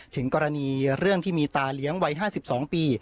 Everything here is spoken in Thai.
ถึงกรณีเรื่องที่มีตาเลี้ยงวัย๕๒ปี